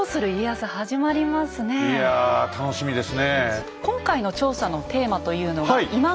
いや楽しみですね。